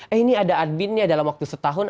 eh ini ada adminnya dalam waktu setahun